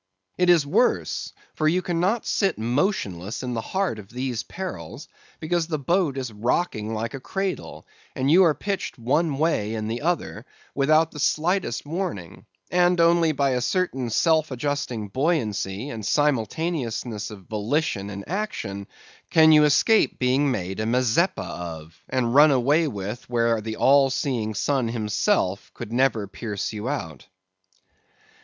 It is worse; for you cannot sit motionless in the heart of these perils, because the boat is rocking like a cradle, and you are pitched one way and the other, without the slightest warning; and only by a certain self adjusting buoyancy and simultaneousness of volition and action, can you escape being made a Mazeppa of, and run away with where the all seeing sun himself could never pierce you out.